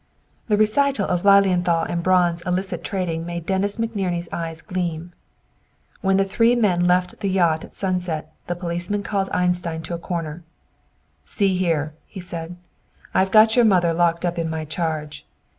The recital of Lilienthal and Braun's illicit trading made Dennis McNerney's eyes gleam. When the three men left the yacht at sunset, the policeman called Einstein into a corner. "See here," he said. "I've got your mother locked up in my charge.